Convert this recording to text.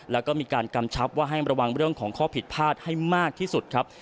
แล้วก็มีการกำชับว่าให้ระวังเรื่องของข้อผิดพลาดให้มากที่สุดครับ